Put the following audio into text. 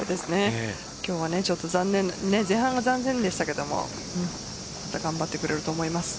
今日はちょっと前半は残念でしたけどまた頑張ってくれると思います。